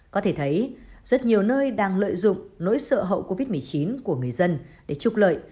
có thể thấy rất nhiều nơi đang lợi dụng nỗi sợ hậu covid một mươi chín của người dân để trục lợi